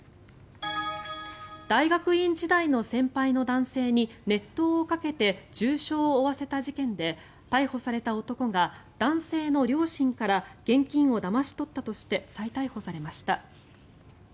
大学院時代の先輩の男性に熱湯をかけて重傷を負わせた事件で逮捕された男が男性の両親から現金をだまし取ったとして再逮捕されました。